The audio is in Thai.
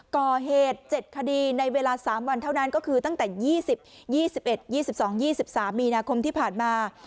ก่อเหตุเจ็ดคดีในเวลาสามวันเท่านั้นก็คือตั้งแต่ยี่สิบยี่สิบเอ็ดยี่สิบสองยี่สิบสามมีนาคมที่ผ่านมา